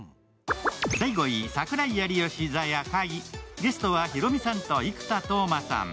ゲストはヒロミさんと生田斗真さん。